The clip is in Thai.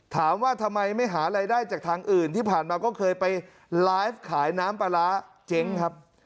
ถามว่าทำไมไม่หารายได้จากทางอื่นที่ผ่านมาก็เคยไปไลฟ์ขายน้ำปลาร้าเจ๊งครับ